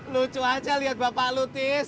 lucu aja lihat bapak lutis